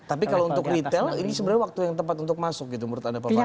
tapi kalau untuk retail ini sebenarnya waktu yang tepat untuk masuk gitu menurut anda pak fadli